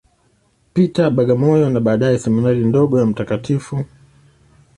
Peter, Bagamoyo, na baadaye Seminari ndogo ya Mt.